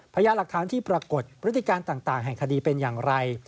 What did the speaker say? พยายามหลักฐานที่ปรากฏพฤติการต่างแห่งคดีเป็นอย่างไร